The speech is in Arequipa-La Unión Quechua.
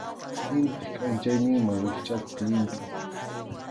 Intip kʼanchayninman rikchʼakuq llimpʼi.